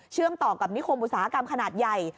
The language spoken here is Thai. ต่อกับนิคมอุตสาหกรรมขนาดใหญ่